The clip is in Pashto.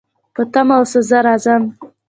په تمه اوسه، زه راځم